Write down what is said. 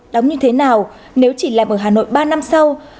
đóng như thế nào nếu chỉ làm ở hà nội ba năm sau